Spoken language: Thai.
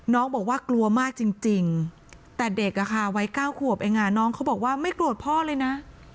น้องบอกว่ากลัวมากจริงแต่เด็กวัย๙ขวบเองน้องเขาบอกว่าไม่โกรธพ่อเลยนะ